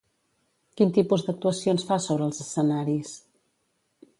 Quin tipus d'actuacions fa sobre els escenaris?